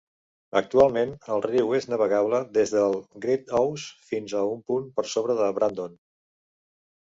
Actualment, el riu és navegable des del Great Ouse fins a un punt per sobre de Brandon.